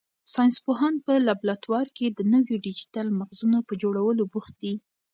ساینس پوهان په لابراتوار کې د نویو ډیجیټل مغزونو په جوړولو بوخت دي.